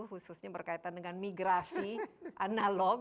khususnya berkaitan dengan migrasi analog